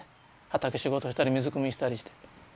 畑仕事したり水くみしたりして。